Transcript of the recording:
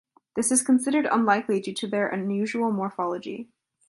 This is considered unlikely due to their unusual morphology.